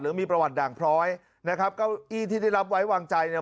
มีประวัติด่างพร้อยนะครับเก้าอี้ที่ได้รับไว้วางใจเนี่ย